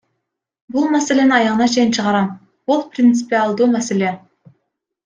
Бул маселени аягына чейин чыгарам, бул принципиалдуу маселе!